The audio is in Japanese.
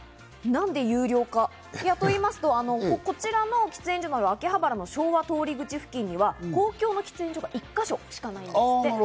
何で有料かと言いますと、こちらの喫煙所など、秋葉原の昭和通り口付近には公共の喫煙所が１か所しかないんですって。